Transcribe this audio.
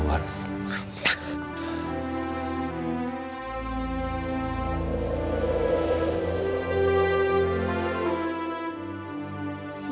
untung nggak ketahuan